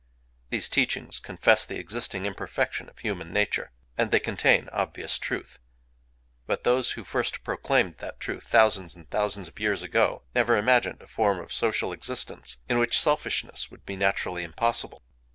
These teachings confess the existing imperfection of human nature; and they contain obvious truth. But those who first proclaimed that truth, thousands and thousands of years ago, never imagined a form of social existence in which selfishness would be naturally impossible.